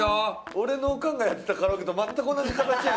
俺のオカンがやってたカラオケと全く同じ形やんけ。